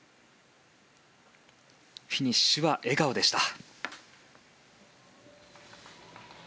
フィニッシュは笑顔でした。